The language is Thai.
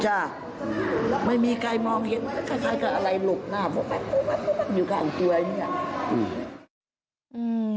ใช่ไม่มีใครมองเห็นคล้ายก็อะไรหลบหน้าผมอยู่ข้างตัวอย่างนี้